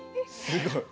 すごい。